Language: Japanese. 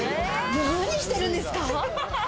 何してるんですか？